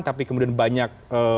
tapi kemudian banyak